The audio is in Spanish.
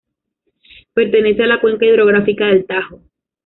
Pertenece a la cuenca hidrográfica del Tajo.